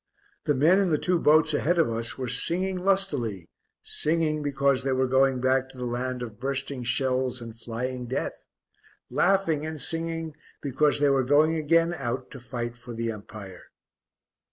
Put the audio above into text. The men in the two boats ahead of us were singing lustily, singing because they were going back to the land of bursting shells and flying death, laughing and singing because they were going again out to fight for the Empire.